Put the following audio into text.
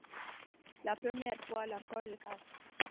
La première fois, la corde casse.